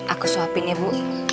aku suapin ya bu